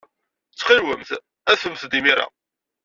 Ttxil-went, adfemt-d imir-a.